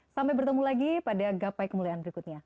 sampai bertemu lagi pada gapai kemuliaan berikutnya